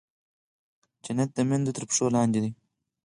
جنت د مېندو تر پښو لاندې دی.